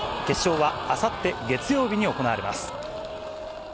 決勝はあさって月曜日に行われます。